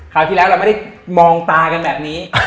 ที่แล้วเราไม่ได้มองตากันแบบนี้